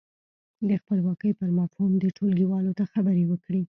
د خپلواکۍ پر مفهوم دې ټولګیوالو ته خبرې وکړي.